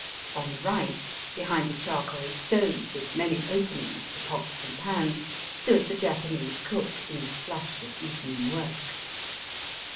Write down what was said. On the right, behind a charcoal stove with many openings for pots and pans, stood the Japanese cook in the flush of evening work.